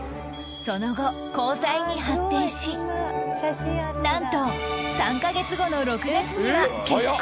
その後交際に発展しなんと３カ月後の６月には結婚